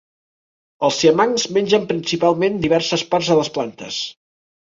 Els siamangs mengen principalment diverses parts de les plantes.